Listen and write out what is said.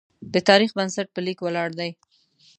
د تاریخ بنسټ په لیک ولاړ دی.